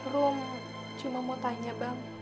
serum cuma mau tanya bang